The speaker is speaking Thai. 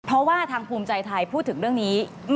เพราะว่าทางภูมิใจไทยพูดถึงเรื่องนี้